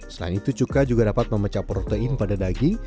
selain itu cuka juga dapat memecah protein pada daging